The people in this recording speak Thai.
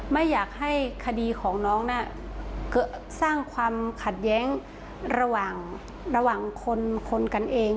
ไม่อยากให้คดีของน้องน่ะสร้างความขัดแย้งระหว่างคนกันเอง